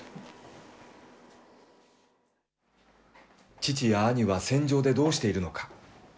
父や兄は戦場でどうしているのか。